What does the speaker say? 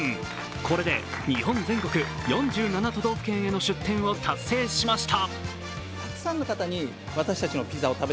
これで日本全国４７都道府県への出店を達成しました。